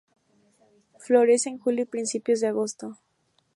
Florece en julio y principios de agosto.